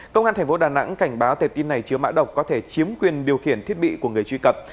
công an tp đà nẵng cảnh báo tệp tin này chứa mã độc có thể chiếm quyền điều khiển thiết bị của người truy cập